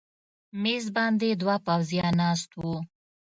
مېز باندې دوه پوځیان ناست و.